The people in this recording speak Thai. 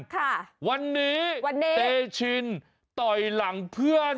ค่ะวันนี้เตชินต่อยหลังเพื่อน